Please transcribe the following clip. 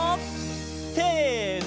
せの！